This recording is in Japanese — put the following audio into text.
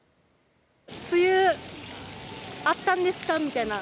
梅雨あったんですかみたいな。